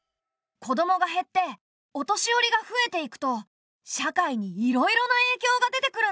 子どもが減ってお年寄りが増えていくと社会にいろいろなえいきょうが出てくるんだ。